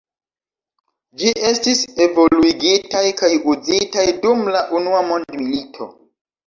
Ĝi estis evoluigitaj kaj uzitaj dum la unua mondmilito.